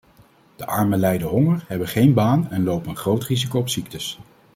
De armen lijden honger, hebben geen baan en lopen een groot risico op ziektes.